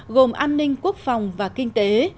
gồm an ninh quốc phòng và kinh tế